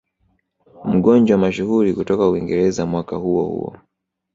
Mgonjwa mashuhuri kutoka Uingereza mwaka huo huo